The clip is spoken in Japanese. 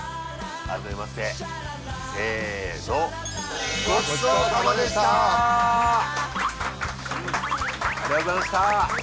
改めましてせーのありがとうございました